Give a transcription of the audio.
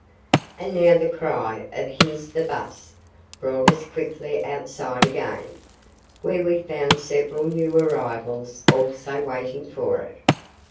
And now the cry of "Here's the bus," brought us quickly outside again, where we found several new arrivals also waiting for it.